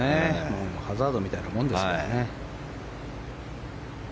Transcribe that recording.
ハザードみたいなもんですからね。